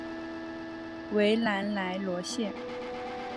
维兰莱罗谢。